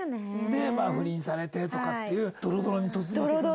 で不倫されてとかっていうドロドロに突入していくんだ。